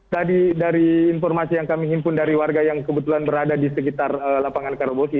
tadi dari informasi yang kami himpun dari warga yang kebetulan berada di sekitar lapangan karoboki